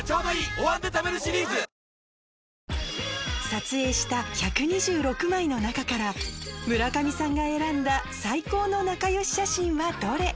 「お椀で食べるシリーズ」撮影した１２６枚の中から村上さんが選んだ最高の仲良し写真はどれ？